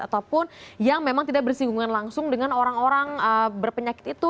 ataupun yang memang tidak bersinggungan langsung dengan orang orang berpenyakit itu